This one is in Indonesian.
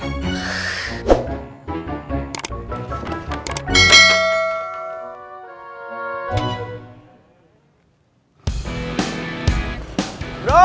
ketemu lagi di jt